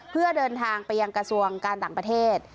เพื่อเดินทางไปยังกระทรวงการต่างประเทศ